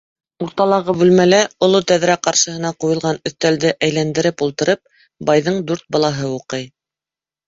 Урталағы бүлмәлә, оло тәҙрә ҡаршыһына ҡуйылған өҫтәлде әйләндереп ултырып, байҙың дүрт балаһы уҡый.